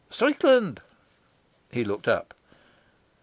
"Strickland." He looked up.